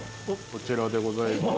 こちらでございます